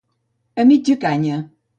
A mitja canya.